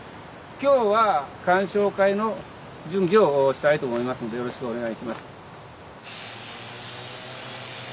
今日は鑑賞会の準備をしたいと思いますんでよろしくお願いします。